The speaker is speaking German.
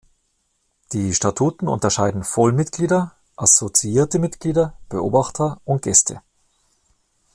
Die Statuten unterscheiden Vollmitglieder, assoziierte Mitglieder, Beobachter und Gäste.